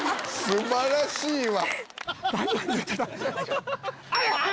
「素晴らしいわ」